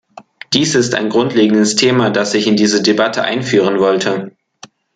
Dies ist ein grundlegendes Thema, das ich in diese Debatte einführen wollte.